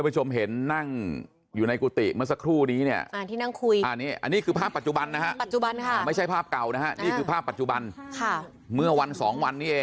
ใช่ที่นักข่าวไปสัมภาษณ์